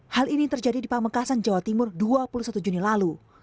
hal ini terjadi di pamekasan jawa timur dua puluh satu juni lalu